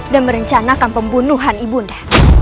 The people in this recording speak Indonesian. dan merencanakan pembunuhan ibu nda